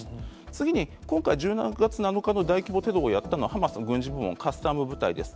次に、今回、１０月７日の大規模テロをやったのは、ハマスの軍事部門、カスタム部隊です。